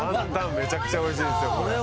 めちゃくちゃおいしいんですよ